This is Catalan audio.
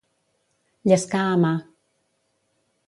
Llescar a mà.